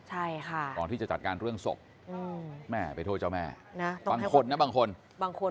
ใช่ค่ะก่อนที่จะจัดการเรื่องศพแม่ไปโทษเจ้าแม่นะบางคนนะบางคนบางคน